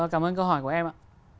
cảm ơn câu hỏi của em ạ